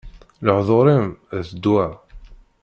Lehdur-im, d ddwa!